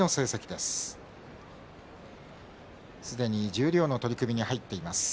すでに十両の取組に入っています。